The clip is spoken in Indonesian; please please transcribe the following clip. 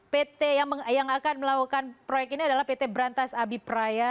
pt yang akan melakukan proyek ini adalah pt berantas abipraya